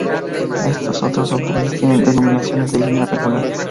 Estos otros autobuses tienen denominaciones de línea regular.